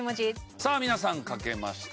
さあ皆さん書けました。